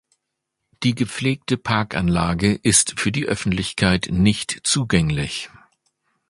Die gepflegte Parkanlage ist für die Öffentlichkeit nicht zugänglich.